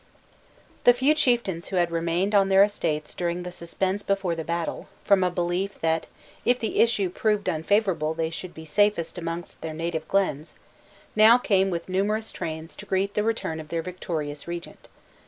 The few chieftains who had remained on their estates during the suspense before the battle, from a belief that if the issue proved unfavorable they should be safest amongst their native glens, now came with numerous trains to greet the return of their victorious regent.